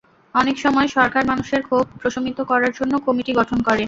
অনেক সময় সরকার মানুষের ক্ষোভ প্রশমিত করার জন্য কমিটি গঠন করে।